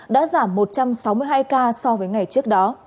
đã giảm một trăm sáu mươi hai ca so với ngày trước đó